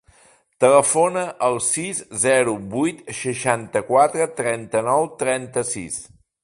Telefona al sis, zero, vuit, seixanta-quatre, trenta-nou, trenta-sis.